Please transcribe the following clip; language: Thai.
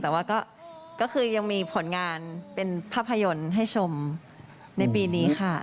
แต่ว่าก็คือยังมีผลงานเป็นภาพยนตร์ให้ชมในปีนี้ค่ะ